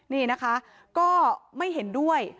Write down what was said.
นี่นะคะก็ไม่เห็นด้วย